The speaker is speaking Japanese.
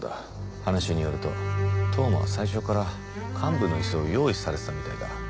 話によると当麻は最初から幹部の椅子を用意されてたみたいだ。